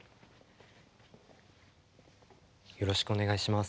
よろしくお願いします。